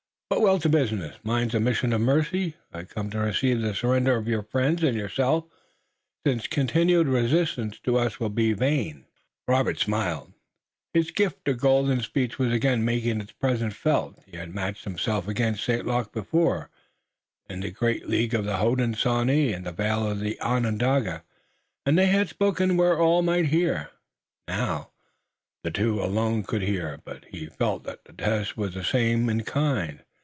But we'll to business. Mine's a mission of mercy. I come to receive the surrender of your friends and yourself, since continued resistance to us will be vain!" Robert smiled. His gift of golden speech was again making its presence felt. He had matched himself against St. Luc before the great League of the Hodenosaunee in the vale of Onondaga, and they had spoken where all might hear. Now they two alone could hear, but he felt that the test was the same in kind.